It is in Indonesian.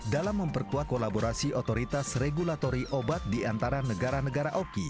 dalam memperkuat kolaborasi otoritas regulatory obat di antara negara negara oki